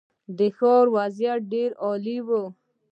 د ښار وضعیت ډېر عالي و.